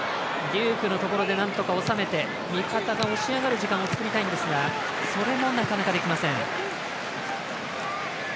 デュークのところで収めて味方が押しあがる時間を作りたいんですがそれもなかなかできません。